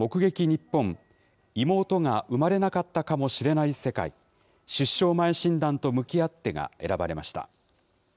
にっぽん妹が生まれなかったかもしれない世界出生前診断と向き合ってが選ばれました。